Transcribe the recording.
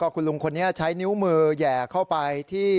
คุณลุงคนนี้ใช้นิ้วมือแห่เข้าไปที่